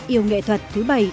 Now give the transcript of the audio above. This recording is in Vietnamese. yêu nghệ thuật thứ bảy